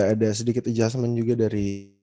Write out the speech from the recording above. ada sedikit adjustment juga dari